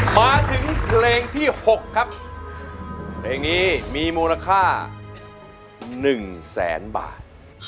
มาถึงเพลงที่๖ครับเพลงนี้มีมูลค่า๑แสนบาท